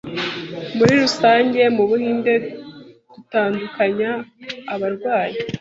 Muri rusange mu buhinde dutandukanya abarwayi